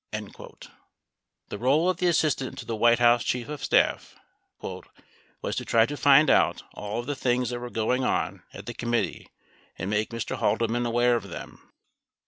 15 The role of the assistant to the White House Chief of Staff "was to try to find ont all of the things that were going on at the committee and make Mr. Haldeman aware of them."